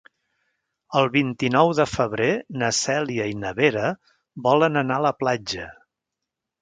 El vint-i-nou de febrer na Cèlia i na Vera volen anar a la platja.